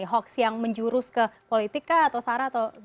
ada hoaks yang menjurus ke politika atau sarah atau gimana